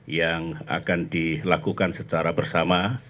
yang akan dilakukan secara bersama